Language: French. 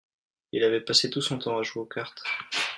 Il avait passé tout son temps à jouer aux cartes.